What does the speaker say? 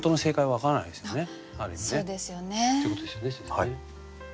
はい。